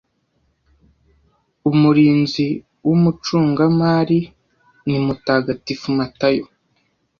uMurinzi Wumucungamari ni Mutagatifu Matayo